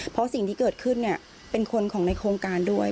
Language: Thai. เพราะสิ่งที่เกิดขึ้นเป็นคนของในโครงการด้วย